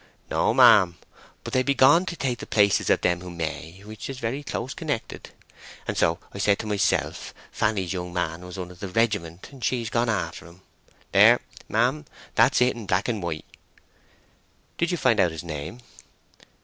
"No, ma'am; but they be gone to take the places of them who may, which is very close connected. And so I said to myself, Fanny's young man was one of the regiment, and she's gone after him. There, ma'am, that's it in black and white." "Did you find out his name?"